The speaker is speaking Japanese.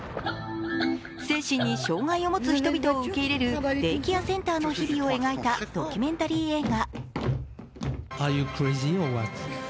精神に障害を持つ人々を受け入れるデイケアセンターの日々を描いたドキュメンタリー映画。